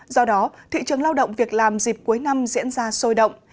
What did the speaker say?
do đó thị trường lao động việc làm dịp cuối năm diễn ra sôi động